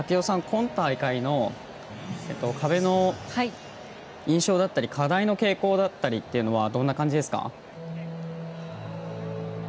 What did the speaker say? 今大会の壁の印象だったり課題の傾向だったりというのはどんな感じですか？